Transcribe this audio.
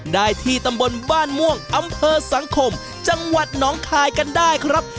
ได้ที่ตำบลบ้านม่วงอำเภอสังคมจังหวัดหนองคายกันได้ครับ